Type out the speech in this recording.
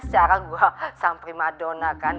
secara gua sampri madonna kan